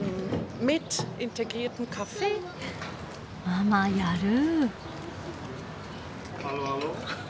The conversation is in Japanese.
ママやる。